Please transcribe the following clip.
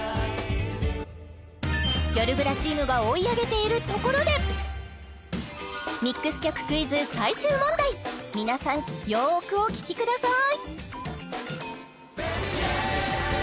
よるブラチームが追い上げているところでミックス曲クイズ最終問題皆さんよくお聴きください